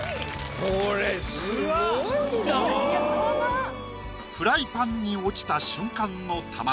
これフライパンに落ちた瞬間の卵。